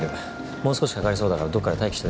もう少しかかりそうだからどっかで待機しといて。